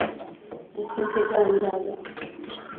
এখন থেকে আমি রাজা!